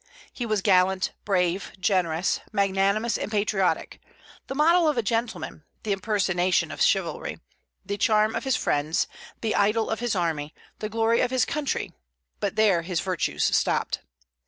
He was gallant, brave, generous, magnanimous, and patriotic, the model of a gentleman, the impersonation of chivalry, the charm of his friends, the idol of his army, the glory of his country; but there his virtues stopped.